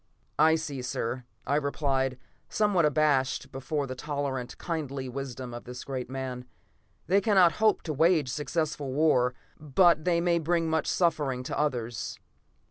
"I see, sir," I replied, somewhat abashed before the tolerant, kindly wisdom of this great man. "They cannot hope to wage successful war, but they may bring much suffering to others."